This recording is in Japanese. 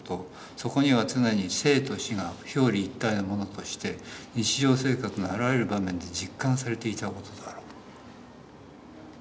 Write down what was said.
そこには常に生と死が表裏一体のものとして日常生活のあらゆる場面で実感されていたことだろう」。